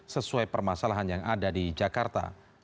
sesuai permasalahan yang ada di jakarta